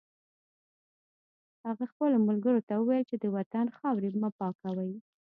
هغه خپلو ملګرو ته وویل چې د وطن خاورې مه پاکوئ